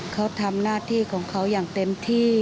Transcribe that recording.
เขาทำหน้าที่ของเขาอย่างเต็มที่